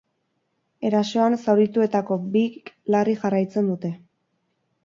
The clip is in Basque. Erasoan zaurituetako bik larri jarraitzen dute.